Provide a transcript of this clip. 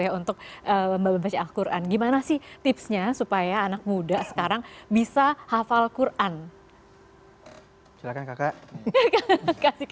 ya untuk baca qur an gimana sih tipsnya supaya anak muda sekarang bisa hafal qur an silakan kakak kasih